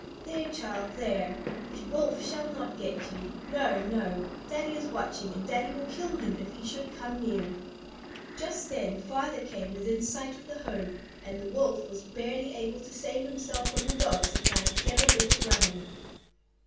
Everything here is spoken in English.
"There, child, there! The Wolf shall not get you. No, no! Daddy is watching and Daddy will kill him if he should come near!" Just then the Father came within sight of the home, and the Wolf was barely able to save himself from the Dogs by a clever bit of running.